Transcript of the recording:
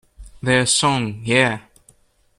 Their song Yeah!